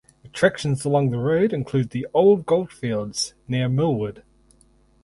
Attractions along the road include the old gold fields near Millwood.